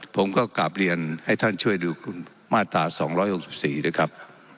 ผมก็กลับเรียนให้ท่านช่วยดูมาตราสองร้อยหกสิบสี่ด้วยครับ